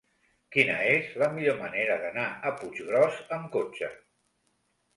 Quina és la millor manera d'anar a Puiggròs amb cotxe?